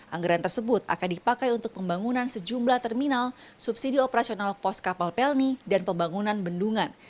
anggaran tersebut akan dipakai untuk pembangunan sejumlah terminal subsidi operasional pos kapal pelni dan pembangunan bendungan